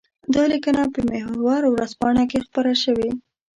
دا لیکنه په محور ورځپاڼه کې خپره شوې.